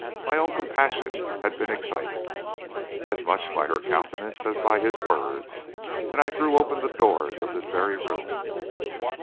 My own compassion had been excited, as much by her countenance as by his words, and I threw open the doors of this very room.